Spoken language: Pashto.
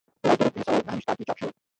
په یو زر درې سوه نهه ویشت کال کې چاپ شوی.